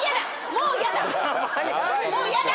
もうやだ！